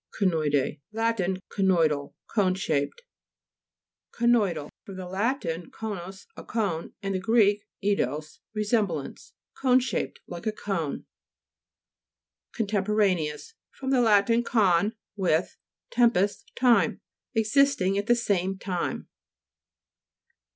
CONOIDEA Lat. Conoidal. Cone shaped. CONOID AL fr. lat. conus, a cone, and the Gr. eidos, resemblance. Cone shaped ; like a cone. CONTEMPORANEOUS fr. lat. con, with, tempus, time. Existing at the same time.